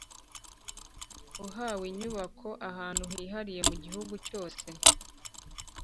uhawe inyubako ahantu hihariye mu gihugu cyose